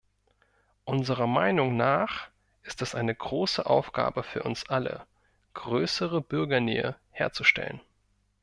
Unserer Meinung nach ist es eine große Aufgabe für uns alle, größere Bürgernähe herzustellen.